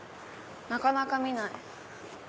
なかなか見ない。